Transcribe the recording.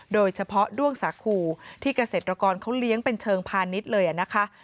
โดยเฉพาะด้วงสาคูที่เกษตรกรเขาเลี้ยงเป็นเชิงพาณิชย์เลยนะคะ